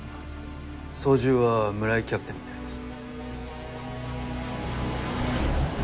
操縦は村井キャプテンみたいです。